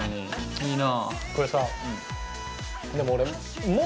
いいな。